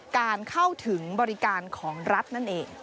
การเข้าถึงบริการของรัฐนั่นเอง